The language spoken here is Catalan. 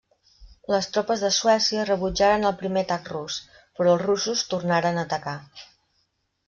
Les tropes de Suècia rebutjaren el primer atac rus, però els russos tornaren a atacar.